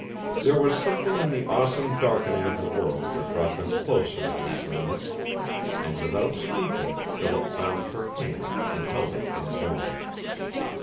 There was something in the awesome darkening of the world that brought them closer in that moment, and without speaking Philip found her hand and held it in his own.